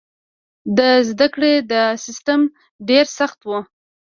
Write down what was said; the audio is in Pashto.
د زده کړې دا سیستم ډېر سخت و.